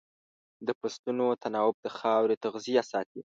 د فصلونو تناوب د خاورې تغذیه ساتي.